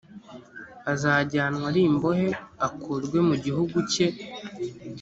azajyanwa ari imbohe akurwe mu gihugu cye